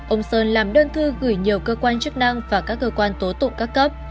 ông sơn làm đơn thư gửi nhiều cơ quan chức năng và các cơ quan tố tụng các cấp